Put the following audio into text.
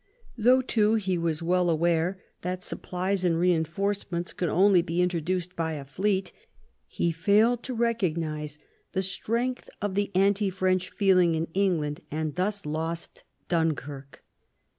Though, too, he was well aware that supplies and rein forcements could only be introduced by a fleet, he failed to recognise the strength of the anti French feeling in England, and thus lost Dunkirk.